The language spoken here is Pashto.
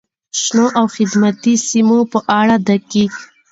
شنو او خدماتي سیمو په اړه دقیق،